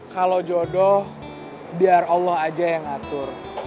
kalau jodoh biar allah aja yang ngatur